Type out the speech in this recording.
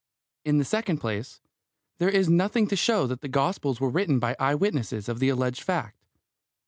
In the second place, there is nothing to show that the Gospels were written by eye witnesses of the alleged fact.